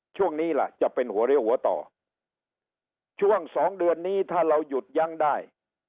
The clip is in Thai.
ช่วงนี้ล่ะจะเป็นหัวเรียวหัวต่อช่วงสองเดือนนี้ถ้าเราหยุดยั้งได้